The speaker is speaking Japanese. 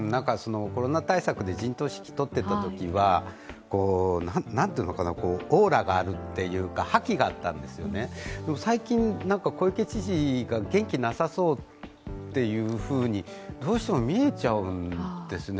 コロナ対策で陣頭指揮をとっていたときは、オーラがあるというか覇気があったんですよね、最近小池知事が元気なさそうっていうふうにどうしても見えちゃうんですね。